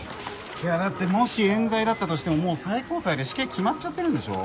いやだってもしえん罪だったとしてももう最高裁で死刑決まっちゃってるんでしょ？